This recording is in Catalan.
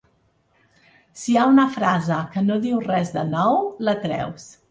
Si hi ha una frase que no diu res de nou la treus.